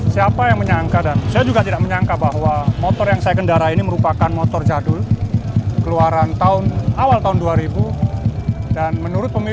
siapa yang menyangka dan saya juga tidak menyangka bahwa motor yang saya kendara ini merupakan motor jadul keluar